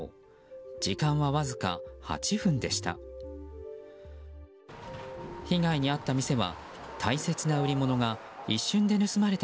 時間は、わずか８分でした。